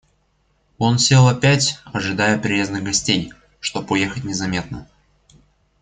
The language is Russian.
Он сел опять, ожидая приезда гостей, чтоб уехать незаметно.